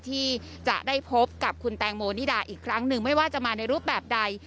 ที่จะได้พบกับคุณแตงโมนิดาอีกครั้งหนึ่งไม่ว่าจะมาในรูปแบบใด